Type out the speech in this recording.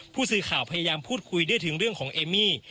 ผู้สื่อข่าวพยายามพูดคุยด้วยถึงเรื่องของเอมมี่